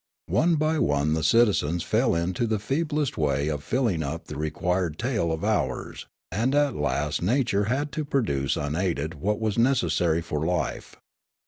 One by one the citizens fell into the feeblest way of filling up the required tale of hours ; and at last nature had to produce unaided what was necessary for life.